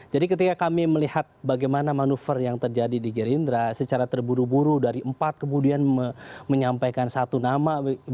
jadi ketika kami melihat bagaimana manuver yang terjadi di gerindra secara terburu buru dari empat kemudian menyampaikan satu nama